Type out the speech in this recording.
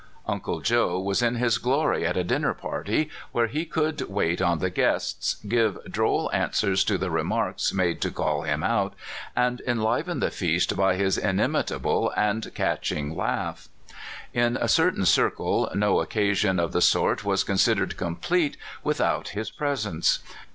Uncle Joe was in his glory at a dinner party, where he could wait on the guests, give droll an swers to the remarks made to call him out, and enliven the feast by his inimitable and "catching" laugh. In a certain circle no occasion of the sort was considered complete without his presence.